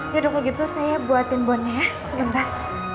yaudah kalau gitu saya buatin bondnya ya sebentar